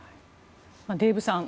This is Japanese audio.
デーブさん